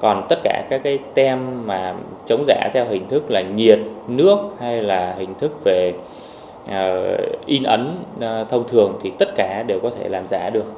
còn tất cả các cái tem mà chống giả theo hình thức là nhiệt nước hay là hình thức về in ấn thông thường thì tất cả đều có thể làm giả được